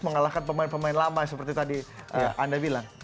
mengalahkan pemain pemain lama yang seperti tadi anda bilang